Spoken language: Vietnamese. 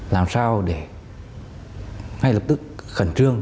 làm sao để ngay lập tức khẩn trương